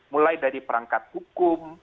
mulai dari perangkat hukum